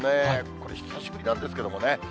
これ、久しぶりなんですけれどもね。